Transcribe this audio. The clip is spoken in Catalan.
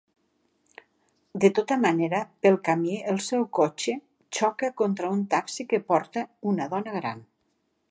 De tota manera, pel camí el seu cotxe xoca contra un taxi que porta una dona gran.